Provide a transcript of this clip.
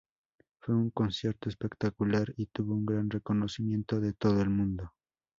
Fue un concierto espectacular y tuvo un gran reconocimiento de todo el mundo.